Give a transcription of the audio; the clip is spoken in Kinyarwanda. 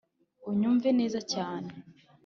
unyumve neza cyane